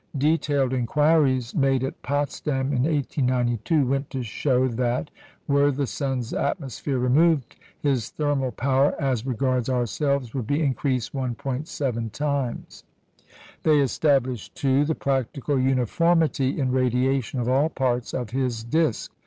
Detailed inquiries made at Potsdam in 1892 went to show that, were the sun's atmosphere removed, his thermal power, as regards ourselves, would be increased 1·7 times. They established, too, the practical uniformity in radiation of all parts of his disc.